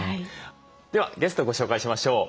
ではゲストをご紹介しましょう。